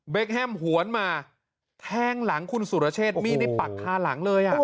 แฮมหวนมาแทงหลังคุณสุรเชษมีดนี่ปักคาหลังเลยอ่ะ